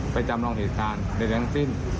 ไปจำลองเหตุการณ์ในแรงสิ้น